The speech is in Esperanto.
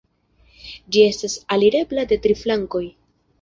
Ĝi estas alirebla de tri flankoj.